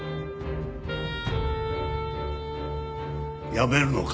辞めるのか？